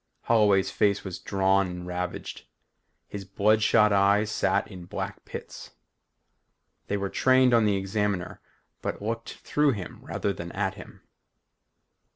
Holloway's face was drawn and ravaged. His bloodshot eyes sat in black pits. They were trained on the Examiner but looked through him rather than at him.